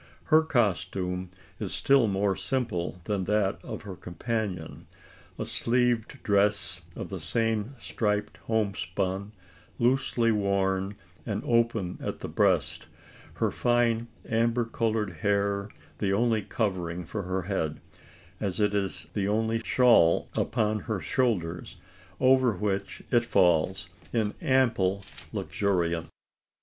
Her costume is still more simple than that of her companion: a sleeved dress of the same striped homespun, loosely worn, and open at the breast; her fine amber coloured hair the only covering for her head as it is the only shawl upon her shoulders, over which it falls in ample luxuriance.